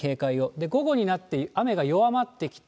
で、午後になって雨が弱まってきて、